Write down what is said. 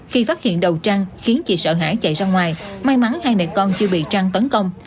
khi phát hiện đầu trang khiến chị sợ hãi chạy ra ngoài may mắn hai mẹ con chưa bị trăng tấn công